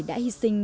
đã hy sinh